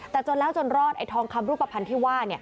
แต่จนแล้วจนรอดไอ้ทองคำรูปภัณฑ์ที่ว่า